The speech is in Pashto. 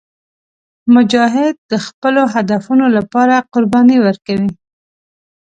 مجاهد د خپلو هدفونو لپاره قرباني ورکوي.